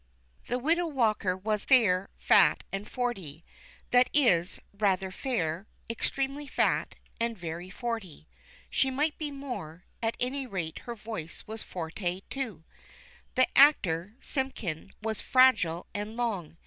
The Widow Walker was fair, fat, and forty that is, rather fair, extremely fat, and very forty. She might be more; at any rate her voice was forte too. The actor, Simpkin, was fragile and long.